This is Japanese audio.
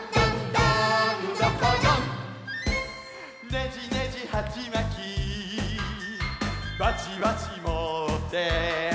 「ねじねじはちまきばちばちもって」